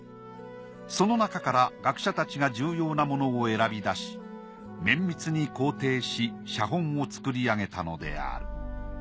その中から学者たちが重要なものを選び出し綿密に校訂し写本を作り上げたのである。